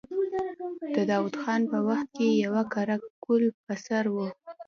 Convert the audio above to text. د داود خان په وخت کې يې قره قل پر سر و.